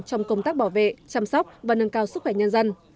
trong công tác bảo vệ chăm sóc và nâng cao sức khỏe nhân dân